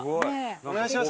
お願いします。